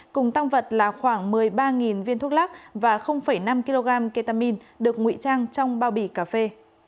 cùng tăng vật là khoảng một mươi ba viên thuốc lắc và năm kg ketamine được nguy trang trong bao bì cà phê